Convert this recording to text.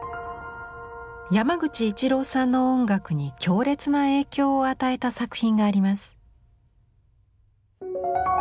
山口一郎さんの音楽に強烈な影響を与えた作品があります。